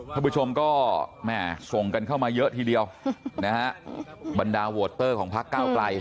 คุณผู้ชมก็ส่งกันเข้ามาเยอะทีเดียวนะฮะบรรดาโหวตเตอร์ของภักดิ์การเก้าไกล